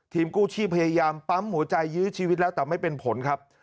กู้ชีพพยายามปั๊มหัวใจยื้อชีวิตแล้วแต่ไม่เป็นผลครับ